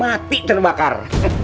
mati dan bakar